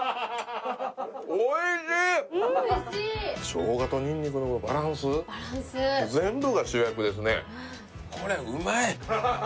しょうがとニンニクのバランスバランス全部が主役ですね